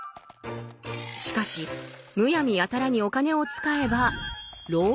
しかしむやみやたらにお金を使えば「浪費」。